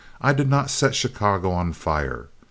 I did not set Chicago on fire.